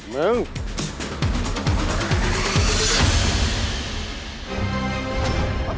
ตี